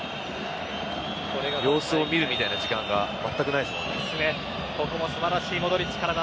様子を見るみたいな時間が全くないですよね。